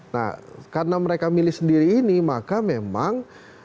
nah karena mereka milih sendiri ini maka memang